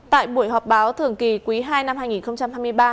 tại buổi họp báo thường kỳ quý ii năm hai nghìn hai mươi ba